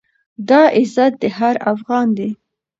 دا عزت د هر افــــغـــــــان دی،